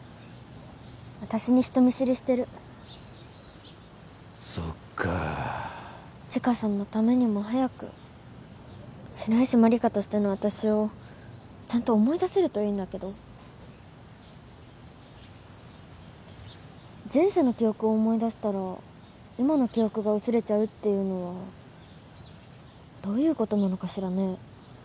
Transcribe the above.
私に人見知りしてるそっか千嘉さんのためにも早く白石万理華としての私をちゃんと思い出せるといいんだけど前世の記憶を思い出したら今の記憶が薄れちゃうっていうのはどういうことなのかしらね？